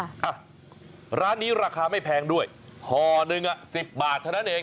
อ่ะร้านนี้ราคาไม่แพงด้วยห่อหนึ่งอ่ะสิบบาทเท่านั้นเอง